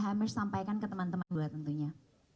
hammer sampaikan ke teman teman gue tentunya